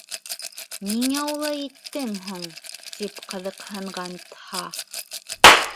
«Ниңә улай иттең һуң?» — тип ҡыҙыҡһынған Тһа.